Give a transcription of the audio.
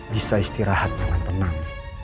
bisa istirahat dengan tenang